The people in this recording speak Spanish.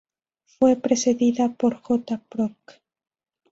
Fue precedida por "J. Proc.